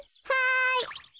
はい。